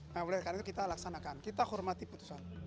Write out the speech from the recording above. nah oleh karena itu kita laksanakan kita hormati putusan